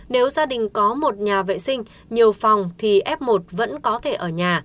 nếu gia đình có một nhà vệ sinh nhiều phòng thì f một vẫn có thể ở nhà